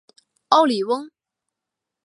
奥里翁。